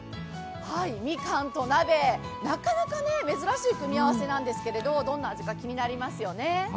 みかんと鍋、なかなか珍しい組み合わせなんですけどどんな味か気になりますよね。